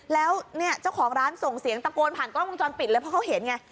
แล้วเนี่ยเจ้าของร้านส่งเสียงตะโกนผ่านกล้องวงจรปิดเลยเพราะเขาเห็นไง